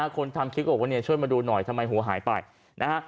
คนทำคลิปก็บอกว่าเนี่ยช่วยมาดูหน่อยทำไมหัวหายไปนะฮะ